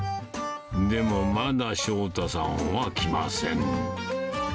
でもまだ翔太さんは来ません。